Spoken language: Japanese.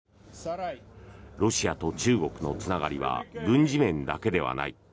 ロシアと中国のつながりは軍事面だけではない。